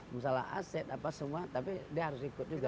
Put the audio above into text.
masalah aset apa semua tapi dia harus ikut juga